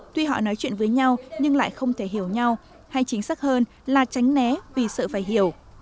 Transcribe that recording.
tuy họ nói chuyện với nhau nhưng lại không thể hiểu nhau hay chính xác hơn là tránh né vì sợ phải hiểu